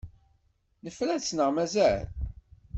Nefra-tt neɣ mazal?